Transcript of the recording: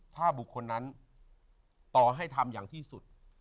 ถ้าบุคคลนั้นต่อให้ทำอย่างที่สุด